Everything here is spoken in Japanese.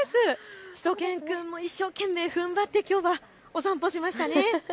しゅと犬くん、一生懸命ふんばって、きょうはお散歩しましたね。